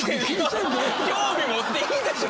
興味持っていいでしょ！